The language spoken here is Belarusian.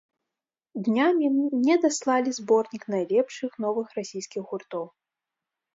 Днямі мне даслалі зборнік найлепшых новых расійскіх гуртоў.